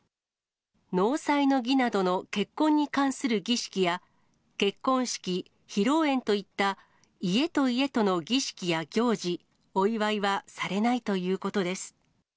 納采の儀などの結婚に関する儀式や、結婚式・披露宴といった、家と家との儀式や行事、お祝いはされないということです。